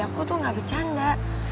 aku tuh gak bercanda